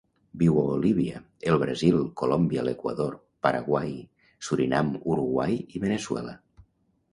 Viu a Bolívia, el Brasil, Colòmbia, l'Equador, Paraguai, Surinam, Uruguai i Veneçuela.